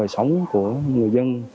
sống của người dân